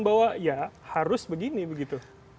bahwa ya harus begini begitu